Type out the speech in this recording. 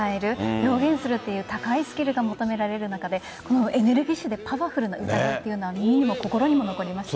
表現するという高いスキルが求められる中でエネルギッシュでパワフルな歌というのは耳にも心にも残りますね。